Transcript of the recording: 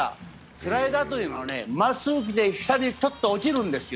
スライダーというのはまっすぐいって下にちょっと落ちるんですよ。